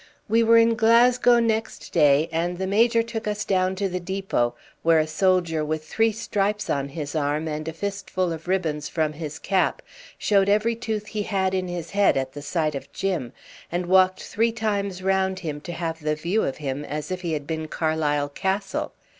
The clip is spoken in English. We were in Glasgow next day, and the Major took us down to the depot, where a soldier with three stripes on his arm and a fistful of ribbons from his cap, showed every tooth he had in his head at the sight of Jim, and walked three times round him to have the view of him, as if he had been Carlisle Castle.